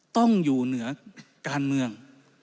ต้องอยู่เหนือการเมือง